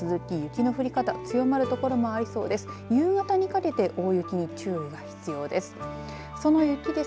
夕方にかけて大雪に注意が必要です。